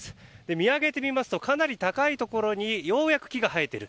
見上げてみますとかなり高いところにようやく木が生えている。